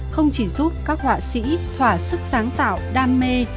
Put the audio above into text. không chỉ giúp các họa sĩ thỏa sức sáng tạo đam mê